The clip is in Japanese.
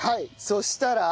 そしたら？